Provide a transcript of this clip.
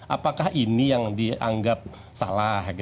apakah ini yang dianggap salah